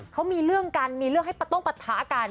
เขามีเรื่องกันมีเรื่องให้ต้องปะทะกัน